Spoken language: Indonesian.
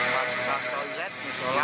masalah toilet bisola